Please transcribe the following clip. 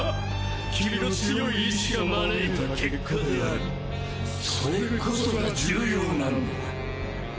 君の強い意志が招いた結果でありそれこそが重要なんだ。